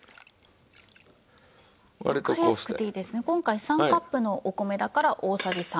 今回３カップのお米だから大さじ３。